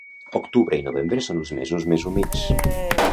Octubre i novembre són els mesos més humits.